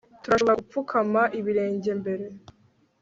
Turashobora gupfukama ibirenge mbere